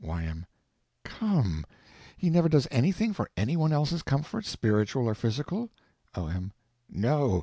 Y.M. Come! He never does anything for any one else's comfort, spiritual or physical? O.M. No.